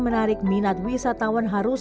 menarik minat wisatawan harus